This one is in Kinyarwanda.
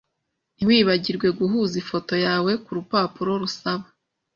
Ntiwibagirwe guhuza ifoto yawe kurupapuro rusaba.